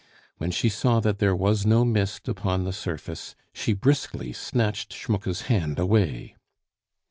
When she saw that there was no mist upon the surface, she briskly snatched Schmucke's hand away.